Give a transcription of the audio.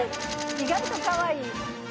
意外とかわいい。